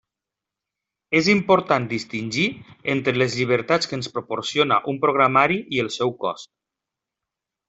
És important distingir entre les llibertats que ens proporciona un programari i el seu cost.